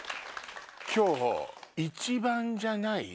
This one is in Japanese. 今日一番じゃない。